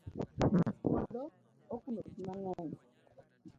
puodho okuno pi mangeny